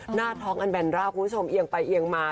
หน้าท้องอันแบนร่าคุณผู้ชมเอียงไปเอียงมา